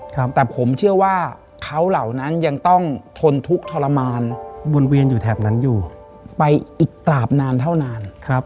ครับแต่ผมเชื่อว่าเขาเหล่านั้นยังต้องทนทุกข์ทรมานวนเวียนอยู่แถบนั้นอยู่ไปอีกกราบนานเท่านานครับ